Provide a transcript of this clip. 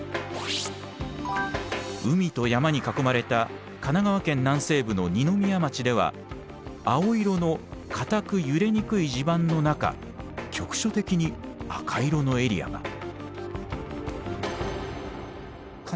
海と山に囲まれた神奈川県南西部の二宮町では青色の固く揺れにくい地盤の中局所的に赤色のエリアが。